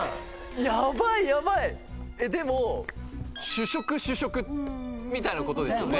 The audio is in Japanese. やばいやばいえっでも主食主食みたいなことですよね？